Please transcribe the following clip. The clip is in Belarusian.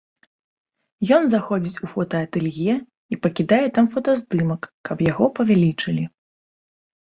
Ён заходзіць у фотаатэлье і пакідае там фотаздымак, каб яго павялічылі.